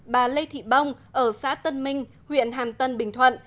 bà lê thị bông ở xã tân minh huyện hàm tân bình thuận